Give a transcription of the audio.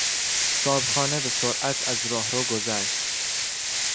صاحبخانه به سرعت از راهرو گذشت.